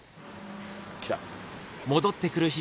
来た。